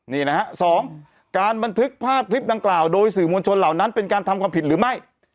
นี่นะฮะสองการบันทึกภาพคลิปดังกล่าวโดยสื่อมวลชนเหล่านั้นเป็นการทำความผิดหรือไม่